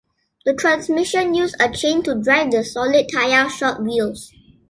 The transmission used a chain to drive the solid tyre shod wheels.